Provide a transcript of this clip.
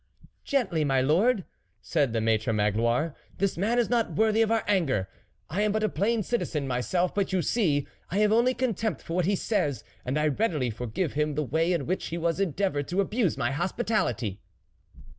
" Gently, my lord !" said the Maitre Magloire, "this man is not worthy our anger. I am but a plain citizen myself, but you see, I have only contempt for what he says, and I readily forgive him the way in which he has endeavoured to abuse my hospitality."